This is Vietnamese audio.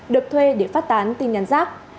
được thuê để phát tán tin nhắn rác